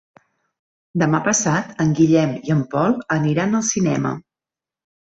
Demà passat en Guillem i en Pol aniran al cinema.